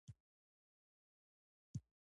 په ژړا کې یې پوښتنه را څخه وکړه: ته امریکایي یې؟